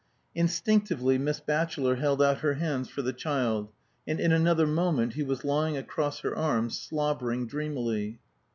Instinctively Miss Batchelor held out her hands for the child, and in another moment he was lying across her arms, slobbering dreamily.